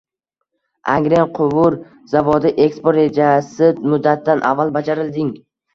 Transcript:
Angren quvur zavodi: eksport rejasi muddatidan avval bajarilding